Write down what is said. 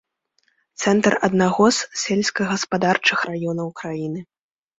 Цэнтр аднаго з сельскагаспадарчых раёнаў краіны.